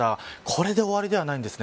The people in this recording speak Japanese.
これで終わりではないです。